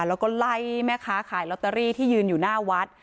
แล้วก็ไล่แม่ค้าขายลอตเตอรี่ที่ยืนอยู่หน้าวัด